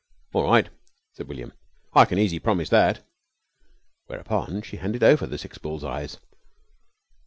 "All right," said William. "I can easy promise that." Whereupon she handed over the six bull's eyes.